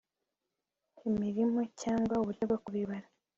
imirimo cyangwa uburyo bwo kubibara